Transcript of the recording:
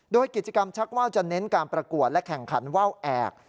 โดยกิจกรรมชักว่าวจะเน้นการประกวดและแข่งขันว่าวแอก